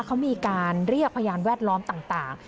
เขามีการเรียกพยานแวดล้อมต่าง